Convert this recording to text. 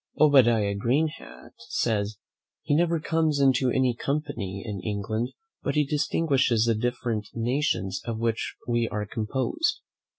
Obadiah Greenhat says, "he never comes into any company in England, but he distinguishes the different nations of which we are composed."